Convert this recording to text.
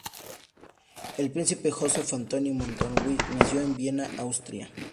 El Príncipe Józef Antoni Poniatowski nació en Viena, Austria.